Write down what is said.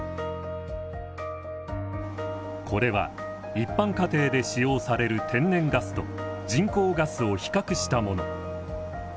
これは一般家庭で使用される天然ガスと人工ガスを比較したもの。